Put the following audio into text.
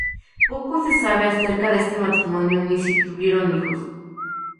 Poco se sabe acerca de este matrimonio, ni si tuvieron hijos.